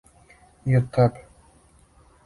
И од тебе.